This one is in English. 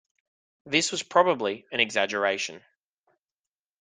This was probably an exaggeration.